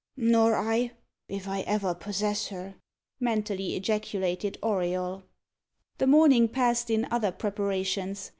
"Nor I, if I ever possess her," mentally ejaculated Auriol. The morning passed in other preparations.